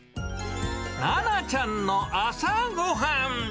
ななちゃんの朝ごはん。